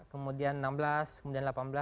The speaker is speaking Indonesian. kemudian enam belas kemudian delapan belas